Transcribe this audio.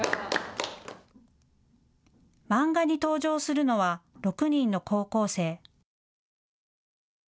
漫画に登場するのは６人の高校生。